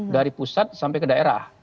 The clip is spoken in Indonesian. dari pusat sampai ke daerah